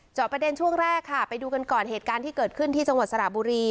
ประเด็นช่วงแรกค่ะไปดูกันก่อนเหตุการณ์ที่เกิดขึ้นที่จังหวัดสระบุรี